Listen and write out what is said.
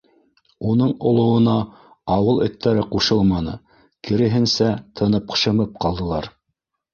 Уның олоуына ауыл эттәре ҡушылманы, киреһенсә, тынып, шымып ҡалдылар.